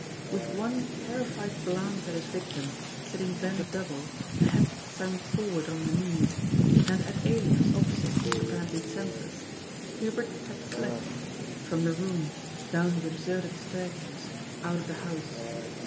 With one terrified glance at his victim, sitting bent double, the head sunk forward on the knees, and at Elias opposite, apparently senseless, Hubert had fled — from the room, down the deserted staircase, out of the house.